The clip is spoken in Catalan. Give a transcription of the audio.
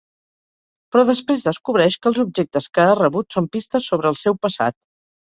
Però després descobreix que els objectes que ha rebut són pistes sobre el seu passat.